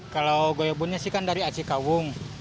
kalau goyobotnya sih kan dari acik kawung